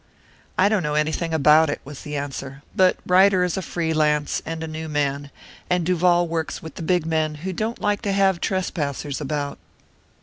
"I don't know anything about it," was the answer. "But Ryder is a free lance, and a new man, and Duval works with the big men who don't like to have trespassers about."